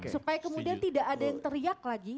supaya kemudian tidak ada yang teriak lagi